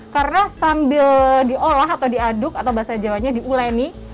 karena sambil diolah atau diaduk atau bahasa jawanya diuleni